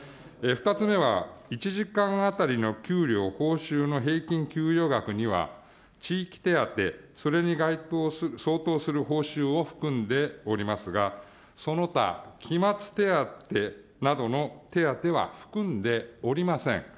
２つ目は、１時間当たりの給料報酬の平均給与額には、地域手当、それに該当、相当する報酬を含んでおりますが、その他、期末手当などの手当は含んでおりません。